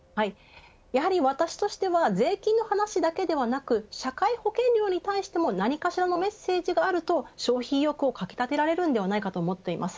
私としては税金の話だけではなく社会保険料に対しても何かしらのメッセージがあると消費意欲をかきたてられると思います。